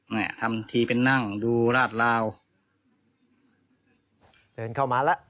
เนี่ยทำทีเป็นนั่งดูราดลาวเดินเข้ามาแล้ว